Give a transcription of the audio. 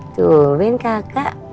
tuh amin kakak